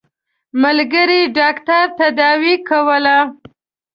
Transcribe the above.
ملګري ډاکټر تداوي کوله.